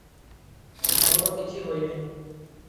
ମୋର କିଛି ହୋଇନାହିଁ ।